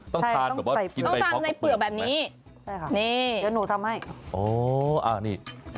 ต้องทำในเปรือะแบบนี้